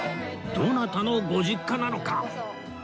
どなたのご実家なのか？